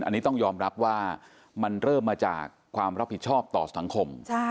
อันนี้ต้องยอมรับว่ามันเริ่มมาจากความรับผิดชอบต่อสังคม